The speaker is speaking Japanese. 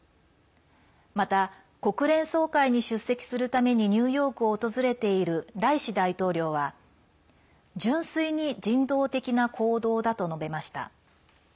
また、国連総会に出席するためにニューヨークを訪れているライシ大統領は、純粋に人道的な行動だと述べました。